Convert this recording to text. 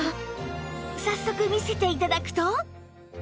早速見せて頂くと